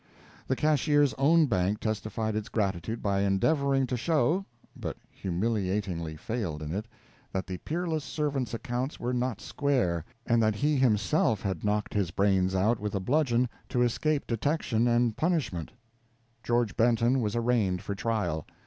The cashier's own bank testified its gratitude by endeavoring to show (but humiliatingly failed in it) that the peerless servant's accounts were not square, and that he himself had knocked his brains out with a bludgeon to escape detection and punishment. George Benton was arraigned for trial.